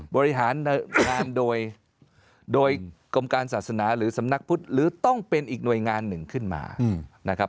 บริหารงานโดยโดยกรมการศาสนาหรือสำนักพุทธหรือต้องเป็นอีกหน่วยงานหนึ่งขึ้นมานะครับ